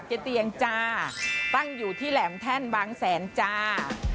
กล้มโจ๊กเจ๊เตียงจ้าตั้งอยู่ที่แหลมแท่นบางแสนจ้า